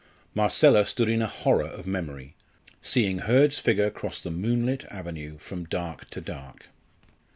Marcella stood in a horror of memory seeing Hurd's figure cross the moonlit avenue from dark to dark.